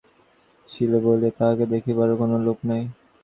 মায়েরও শরীর এতদিন বড় অপটু ছিল বলিয়া তাহাকে দেখিবারও কোন লোক নাই।